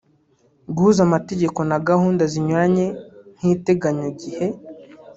guhuza amategeko na gahunda zinyuranye nk’iteganyagihe